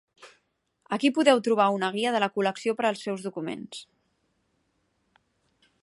Aquí podeu trobar una guia de la col·lecció per als seus documents.